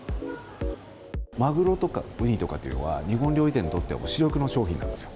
マグロとかウニとかというのは、日本料理店にとっては主力の商品なんですよ。